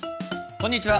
こんにちは。